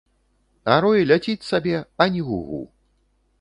А рой ляціць сабе, ані гу-гу.